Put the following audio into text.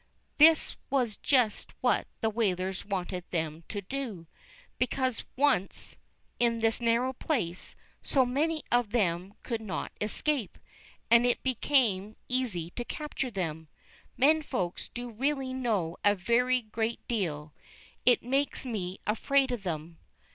This was just what the whalers wanted them to do. Because, once in the narrow place, so many of them could not escape, and it became easy to capture them. Men Folks do really know a very great deal. It makes me afraid of them.